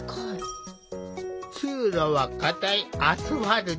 通路はかたいアスファルト。